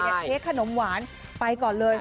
เนี่ยเก๊กขนมหวานไปก่อนเลย